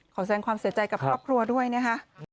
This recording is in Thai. แสดงความเสียใจกับครอบครัวด้วยนะคะ